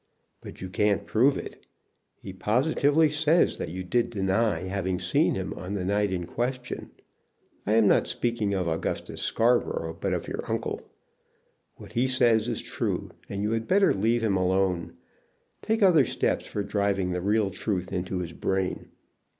"But you can't prove it. He positively says that you did deny having seen him on the night in question, I am not speaking of Augustus Scarborough, but of your uncle. What he says is true, and you had better leave him alone. Take other steps for driving the real truth into his brain."